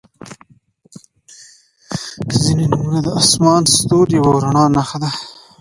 • ځینې نومونه د آسمان، ستوریو او رڼا نښه ده.